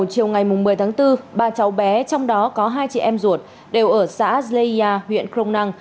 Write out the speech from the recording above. vào chiều ngày một mươi tháng bốn ba cháu bé trong đó có hai chị em ruột đều ở xã zleya huyện krom nang